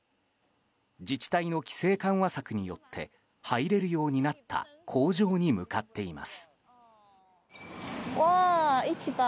自治体の規制緩和策によって入れるようになった工場に向かっています。